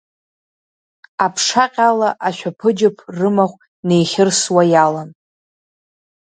Аԥша ҟьала ашәаԥыџьаԥ рымахә неихьырсуа иалан.